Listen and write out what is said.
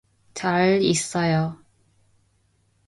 잘 있어요.